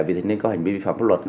vì thế nên có hành vi phóng luật